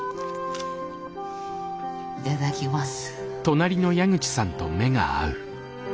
いただきます。